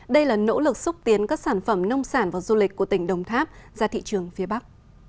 đây là nỗ lực xúc tiến các sản phẩm nông sản và du lịch của tỉnh đồng tháp ra thị trường phía bắc